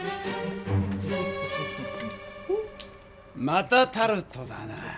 またタルトだな。